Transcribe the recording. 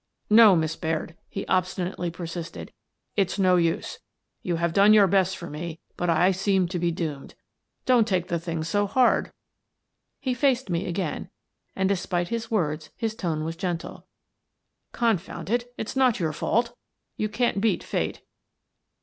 " No, Miss Baird," he obstinately persisted, " it's no use. You have done your best for me, but I seem to be doomed. Now don't take the thing so hard." He faced me again and, despite his words, his tone was gentle. " Confound it, it's not your fault! You can't beat Fate.